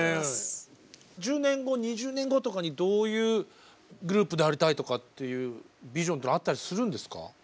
１０年後２０年後とかにどういうグループでありたいとかっていうビジョンってあったりするんですか？